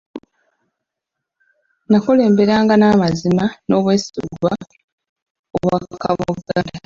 Naakulemberanga n’amazima, n’obwesigwa Obwakabaka bwa Buganda.